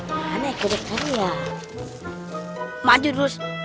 maju terus tanpa mundur